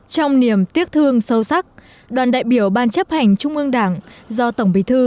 trong niềm tiếc thương sâu sắc đoàn đại biểu ban chấp hành trung ương đảng do tổng bí thư